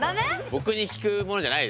ボクに聞くものじゃないです。